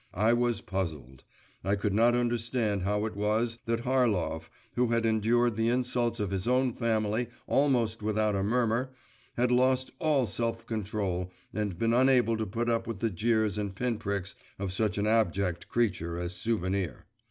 I was puzzled; I could not understand how it was that Harlov, who had endured the insults of his own family almost without a murmur, had lost all self control, and been unable to put up with the jeers and pin pricks of such an abject creature as Souvenir.